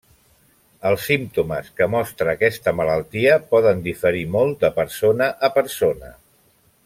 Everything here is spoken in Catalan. Els símptomes que mostra aquesta malaltia poden diferir molt de persona a persona.